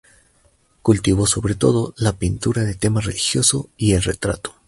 Cultivó sobre todo la pintura de tema religioso y el retrato.